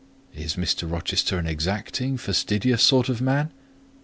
"Is Mr. Rochester an exacting, fastidious sort of man?"